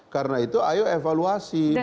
karena itu ayo evaluasi baik baik